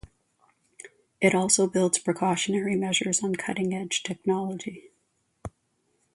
It also builds precautionary measures on cutting-edge technology.